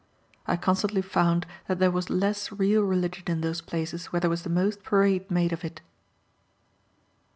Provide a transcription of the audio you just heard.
I constantly found that there was less real religion in those places where there was the most parade made of it.